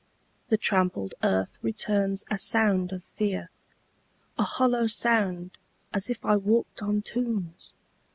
The trampled earth returns a sound of fear A hollow sound, as if I walked on tombs!